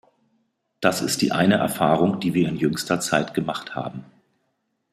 Das ist die eine Erfahrung, die wir in jüngster Zeit gemacht haben.